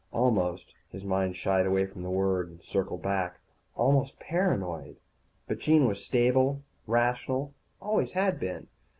Almost His mind shied away from the word, and circled back. Almost paranoid. But Jean was stable, rational, always had been.